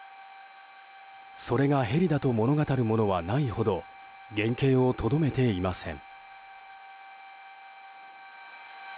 それがヘリだと物語るものはないほど原形をとどめていません。